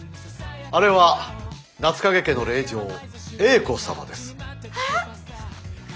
あれは夏影家の令嬢英子様です。え！？